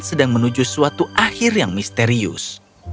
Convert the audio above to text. sedang menuju suatu akhir yang misterius